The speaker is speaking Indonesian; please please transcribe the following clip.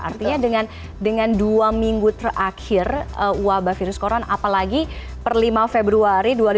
artinya dengan dengan dua minggu terakhir wabah virus koron apalagi per lima februari dua ribu dua puluh pukul dua puluh empat